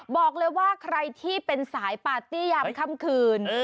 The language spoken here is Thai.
บอกเลยว่าใครที่เป็นสายปาร์ตี้ยามค่ำคืน